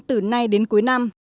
từ nay đến cuối năm